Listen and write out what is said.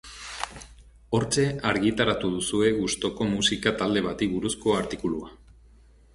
Hortxe argitaratu duzue gustuko musika talde bati buruzko artikulua.